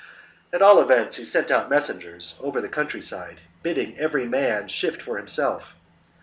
At all events he sent out messengers over the country side, bidding every man shift for himself.